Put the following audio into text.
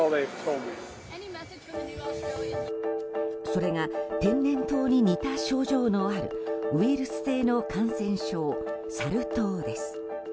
それが天然痘に似た症状のあるウイルス性の感染症サル痘です。